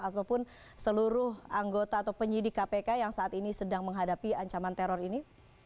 ataupun seluruh anggota atau penyidik kpk yang saat ini sedang menghadapi ancaman teror ini